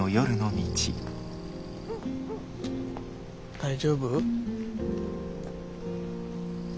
大丈夫？